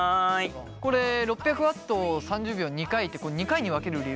これ６００Ｗ３０秒を２回って２回に分ける理由ってあるんですか？